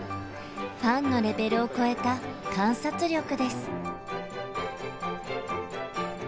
ファンのレベルを超えた観察力です。